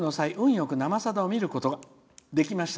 よく、「生さだ」を見ることができました。